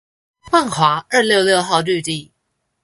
萬華二六六號綠地